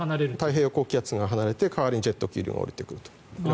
太平洋高気圧が離れて代わりにジェット気流が下りてくると。